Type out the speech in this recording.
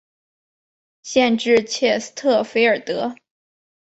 县治切斯特菲尔德。